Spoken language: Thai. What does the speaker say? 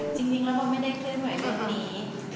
จริงเราก็ไม่ได้เคลื่อนไหวแบบนี้